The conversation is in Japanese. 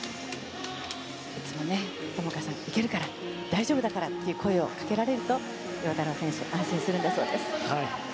いつも友花さん、行けるから大丈夫だからという声をかけられると陽太郎選手安心するんだそうです。